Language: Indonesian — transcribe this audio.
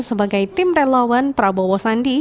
sebagai tim relawan prabowo sandi